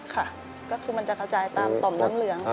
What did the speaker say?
ค่ะก็คือมันจะกระจายตามต่อมน้ำเหลือง